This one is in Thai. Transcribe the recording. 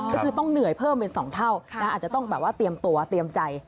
ก็คือต้องเหนื่อยเพิ่มเป็น๒เท่าอาจจะต้องแบบว่าเตรียมตัวเตรียมใจ